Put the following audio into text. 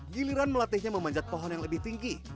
giliran melatihnya memanjat pohon yang lebih tinggi